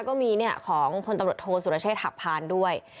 ก็มีเนี่ยของคนตำรวจโทรศุรเชษฐะพานด้วย